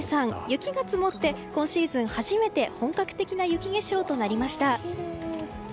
雪が積もって今シーズン初めて本格的な雪化粧となりました。